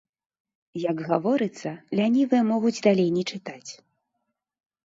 Як гаворыцца, лянівыя могуць далей не чытаць.